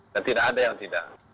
dan tidak ada yang tidak